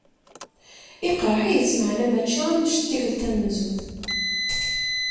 Iqreḥ-itt, maɛna mačči anect n tikelt tamenzut.